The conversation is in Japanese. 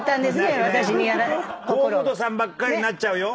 河本さんばっかりになっちゃうよ。